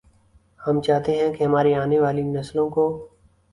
ہم چاہتے ہیں کہ ہماری آنے والی نسلوں کو